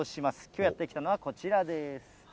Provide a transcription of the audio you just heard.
きょうやって来たのは、こちらです。